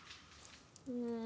うん。